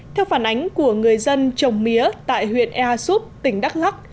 theo phản ánh của người dân trồng mía tại huyện ea súp tỉnh đắk lắc